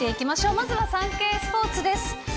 まずはサンケイスポーツです。